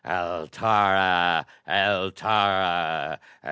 "Altara! Altara!